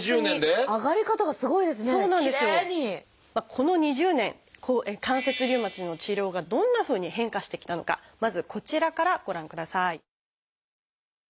この２０年関節リウマチの治療がどんなふうに変化してきたのかまずこちらからご覧ください。